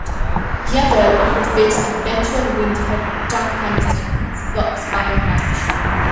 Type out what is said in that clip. Yvel would face eventual winner Dan Henderson in his block's final match.